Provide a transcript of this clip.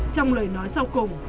trong lời nói sau cùng